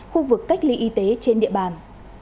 khu vực cách ly y tế trên địa bàn